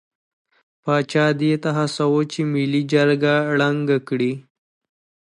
پاچا دې ته هڅاوه چې ملي جرګه ړنګه کړي.